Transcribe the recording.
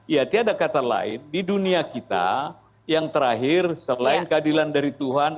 ya tiada kata lain di dunia kita yang terakhir selain keadilan dari tuhan